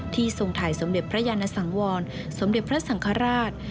ทรงถ่ายสมเด็จพระยานสังวรสมเด็จพระสังฆราช